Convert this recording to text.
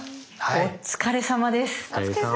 お疲れさまです。